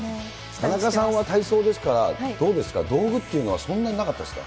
田中さんは体操ですから、どうですか、道具っていうのは、そんなになかったですか。